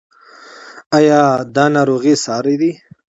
ایا دا ناروغي ساری ده؟